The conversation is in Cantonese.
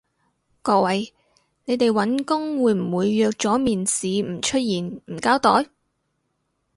各位，你哋搵工會唔會約咗面試唔出現唔交代？